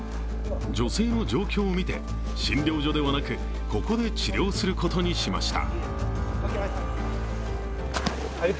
女性の状況を見て診療所ではなくここで治療することにしました。